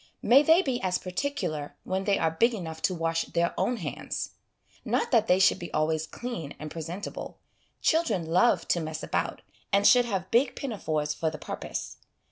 May they be as particular when they are big enough to wash their own hands! Not that they should be always clean and presentable ; children love to ' mess about,' and should have big pinafores for the purpose.